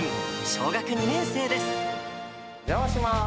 小学２年生です。